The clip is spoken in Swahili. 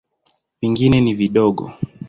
Vingine ni vidogo.